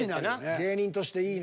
芸人としていいね。